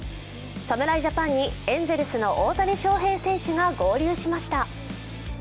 侍ジャパンにエンゼルスの大谷翔平選手が合流しました。